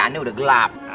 aneh udah gelap